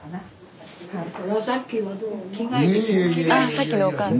さっきのお母さん。